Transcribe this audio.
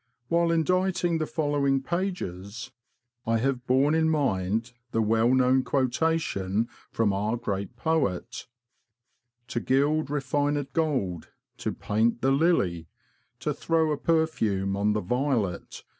While inditing the following pages, I have borne in mind the well known quotation from our great poet: — To gild refined gold, to paint the lily, To throw a perfume on the violet